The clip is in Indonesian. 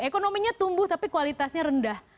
ekonominya tumbuh tapi kualitasnya rendah